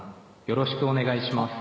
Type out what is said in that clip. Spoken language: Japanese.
よろしくお願いします。